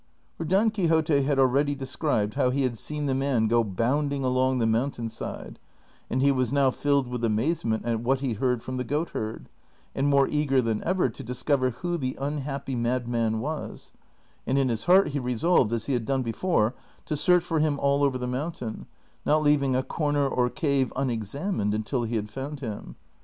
For Don Quixote had already described how he had seen the man go bounding along the mountain side, and he was now filled with amazement at what he heard from the goatherd, and more eager than ever to discover who the unhappy mad man was ; and in his heart he resolved, as he had done before, to search for him all over the mountain, not leaving a corner or cave unexamined until he had found him.